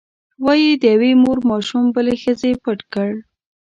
وایي د یوې مور ماشوم بلې ښځې پټ کړ.